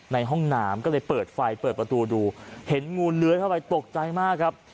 ในห้องน้ำก็เลยเปิดไฟเปิดประตูดูเห็นงูเลื้อยเข้าไปตกใจมากครับ